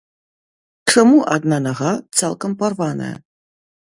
Чаму адна нага цалкам парваная?